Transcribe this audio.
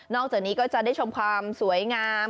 จากนี้ก็จะได้ชมความสวยงาม